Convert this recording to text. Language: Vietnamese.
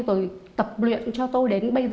rồi tập luyện cho tôi đến bây giờ